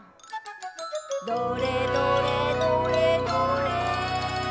「どれどれどれどれ」